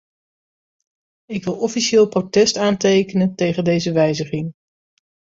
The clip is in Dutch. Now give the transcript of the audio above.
Ik wil officieel protest aantekenen tegen deze wijziging.